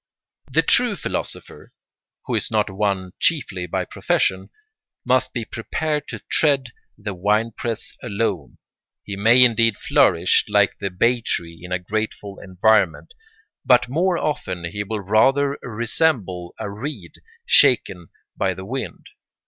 The true philosopher, who is not one chiefly by profession, must be prepared to tread the winepress alone. He may indeed flourish like the bay tree in a grateful environment, but more often he will rather resemble a reed shaken by the wind.